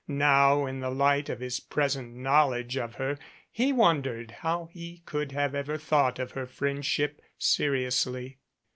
Now in the light of his present knowledge of her he wondered how he could have ever thought of her friendship seriously.